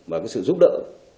và cái sự giúp đỡ